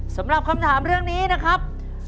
สำหรับคำถามเรื่องนี้นะครับ